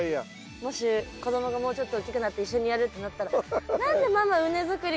もし子供がもうちょっと大きくなって一緒にやるってなったら何でママ畝づくり